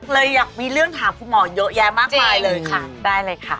เลยอยากมีเรื่องถามคุณหมอเยอะแยะมากมายเลยค่ะ